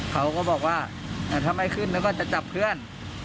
เขาบอกว่าถ้าไม่ขึ้นจะจับเพื่อน